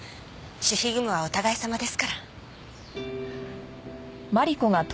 守秘義務はお互い様ですから。